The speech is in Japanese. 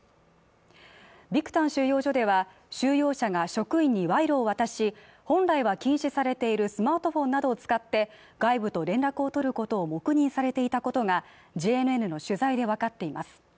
ビクタン収容所では収容者が職員に賄賂を渡し本来は禁止されているスマートフォンなどを使って外部と連絡を取ることを黙認されていたことがＪＮＮの取材で分かっています